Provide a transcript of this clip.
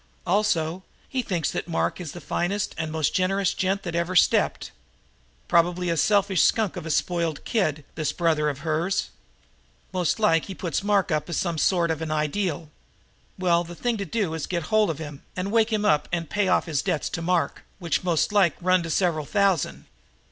Also, he thinks that Mark is the finest and most generous gent that ever stepped. Probably a selfish skunk of a spoiled kid, this brother of hers. Most like he puts Mark up as sort of an ideal. Well, the thing to do is to get hold of him and wake him up and pay off his debts to Mark, which most like run to several thousand."